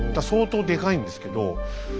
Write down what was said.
相当でかいんですけど。